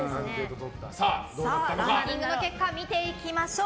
ランキングの結果を見ていきましょう。